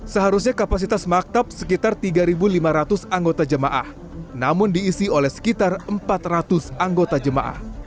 seharusnya kapasitas maktab sekitar tiga lima ratus anggota jemaah namun diisi oleh sekitar empat ratus anggota jemaah